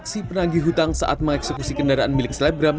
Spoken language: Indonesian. aksi penagih hutang saat mengeksekusi kendaraan milik slebram